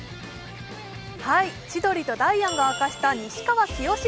千鳥とダイアンが明かした西川きよし